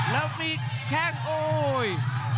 แล้วมีแข้งโอ้ย